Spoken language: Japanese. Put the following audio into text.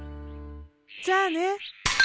じゃあね。